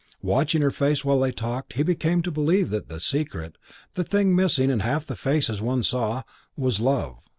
Watching her face while they talked, he came to believe that the secret, the thing missing in half the faces one saw, was love.